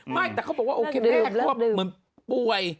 ไม่แต่เขาบอกว่าโอเคเป็นโรคเหมือนป่วย